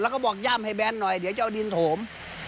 แล้วก็บอกย่ำให้แบนหน่อยเดี๋ยวจะเอาดินโถม